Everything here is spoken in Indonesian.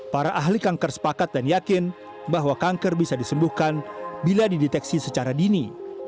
para ahli kanker sepakat dan yakin bahwa kanker bisa disembuhkan bila dideteksi secara dini